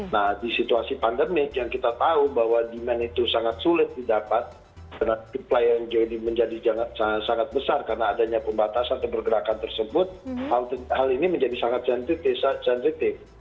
nah di situasi pandemik yang kita tahu bahwa demand itu sangat sulit didapat karena supply yang menjadi sangat besar karena adanya pembatasan atau pergerakan tersebut hal ini menjadi sangat sensitif